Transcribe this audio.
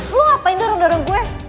lo ngapain darah darah gue